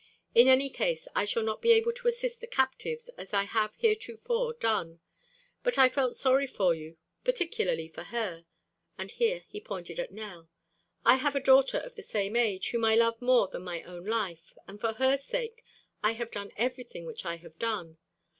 In any case I shall not be able to assist the captives as I have heretofore done. But I felt sorry for you, particularly for her (and here he pointed at Nell). I have a daughter of the same age, whom I love more than my own life, and for her sake I have done everything which I have done.